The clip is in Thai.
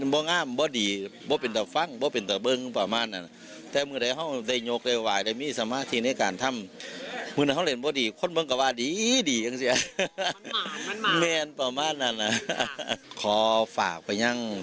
ไปฟังเสียสัมภาษณ์กันหน่อยค่ะ